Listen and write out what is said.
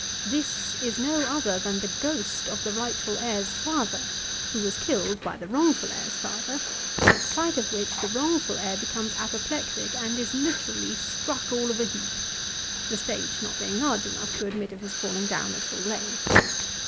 This is no other than the ghost of the rightful heir's father, who was killed by the wrongful heir's father, at sight of which the wrongful heir becomes apoplectic, and is literally " struck all of a heap," the stage not being large enough to admit of his falling down at full length.